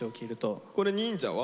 これ忍者は？